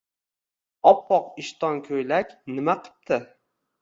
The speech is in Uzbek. — Oppoq ishton-ko‘ylak. Nima qipti?